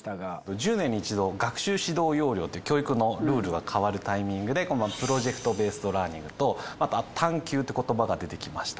１０年に一度学習指導要領という教育のルールが変わるタイミングでこのプロジェクトベースドラーニングと探究という言葉が出てきました。